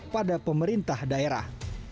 pada pemerintah daerah